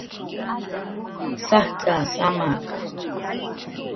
Sajt'a, saama